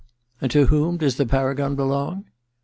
^ And to whom does the paragon belong